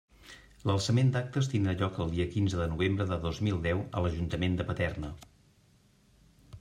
L'alçament d'actes tindrà lloc el dia quinze de novembre de dos mil deu a l'Ajuntament de Paterna.